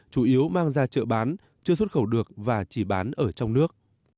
chủ yếu mang ra chợ bán chưa xuất khẩu được và chỉ bán ở trong nước